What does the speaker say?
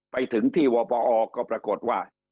ไปถึงที่วปอก็ปรากฏว่า